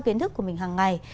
kiến thức của mình hằng ngày